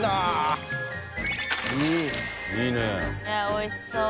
おいしそう。